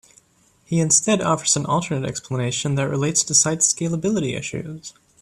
He instead offers an alternate explanation that relates to site scalability issues.